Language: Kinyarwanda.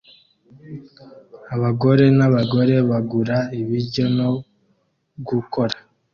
Abagabo n'abagore bagura ibiryo no gukora